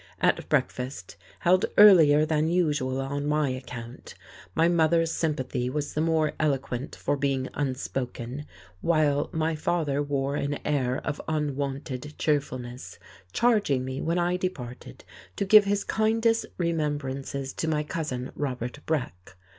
At breakfast, held earlier than usual on my account, my mother's sympathy was the more eloquent for being unspoken, while my father wore an air of unwonted cheerfulness; charging me, when I departed, to give his kindest remembrances to my Cousin Robert Breck.